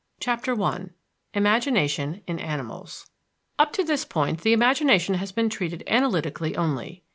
CHAPTER I IMAGINATION IN ANIMALS Up to this point the imagination has been treated analytically only.